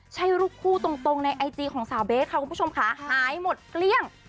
ใช่รูปคู่ตรงในไอจีของสาวเบสค่ะคุณผู้ชมค่ะหายหมดเกลี้ยง